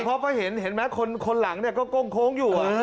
เพราะเพราะเห็นเห็นไหมคนหลังเนี่ยก็ก้มโค้งอยู่